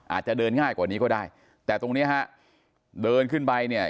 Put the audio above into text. อาจจะเดินง่ายกว่านี้ก็ได้แต่ตรงเนี้ยฮะเดินขึ้นไปเนี่ย